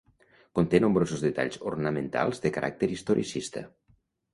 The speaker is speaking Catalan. Conté nombrosos detalls ornamentals de caràcter historicista.